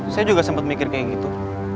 saya juga sempat mikir kayak gitu